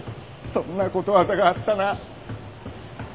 そんなことわざがあったな。